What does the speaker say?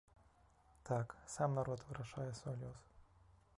Так, сам народ вырашае свой лёс!